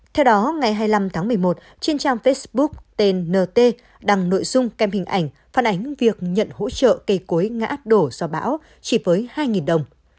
theo đó ngày hai mươi năm tháng một mươi một trên trang facebook tên nt đăng nội dung kèm hình ảnh phản ánh việc nhận hỗ trợ cây cối ngã đổ do bão chỉ với hai đồng